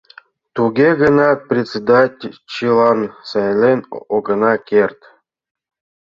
Туге гынат, пресыдачыллан сайлен огына керт.